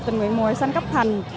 tình nguyện mùa hè xanh cấp thành